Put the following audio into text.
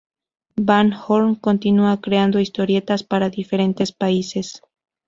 Van Horn continúa creando historietas para diferentes países.